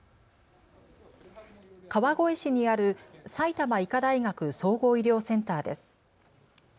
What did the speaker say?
川越市にある埼玉医科大学総合医療センターです。